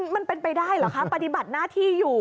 มันเป็นไปได้เหรอคะปฏิบัติหน้าที่อยู่